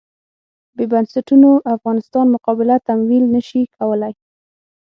بې بنسټونو افغانستان مقابله تمویل نه شي کولای.